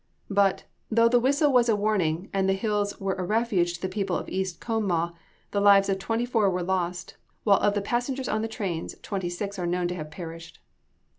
But, though the whistle was a warning, and the hills were a refuge to the people of East Conemaugh, the lives of twenty four were lost; while of the passengers on the trains, twenty six are known to have perished.